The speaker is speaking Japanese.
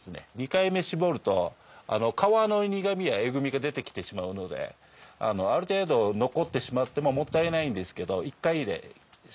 ２回目搾ると皮の苦みやえぐみが出てきてしまうのである程度残ってしまってももったいないんですけど１回で搾ります。